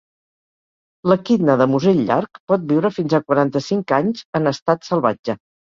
L'equidna de musell llarg pot viure fins a quaranta-cinc anys en estat salvatge.